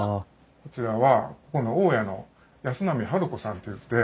こちらはここの大家の安波治子さんっていって。